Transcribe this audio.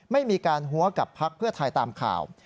ไม่มีการหัวกับพักเพื่อไทยตามข่าว